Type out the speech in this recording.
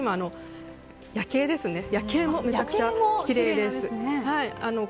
夜景もめちゃくちゃきれいです。